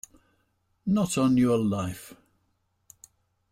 Not on your life!